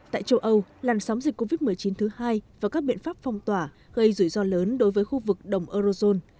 tại châu âu làn sóng dịch covid một mươi chín thứ hai và các biện pháp phong tỏa gây rủi ro lớn đối với khu vực đồng eurozone